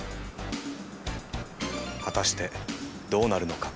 果たしてどうなるのか？